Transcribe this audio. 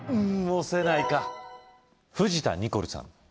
押せないか藤田ニコルさん